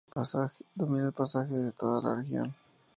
Domina el paisaje de toda la región.